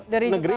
dari jepang ya